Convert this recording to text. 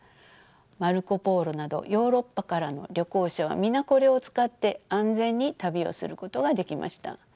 マルコ・ポーロなどヨーロッパからの旅行者は皆これを使って安全に旅をすることができました。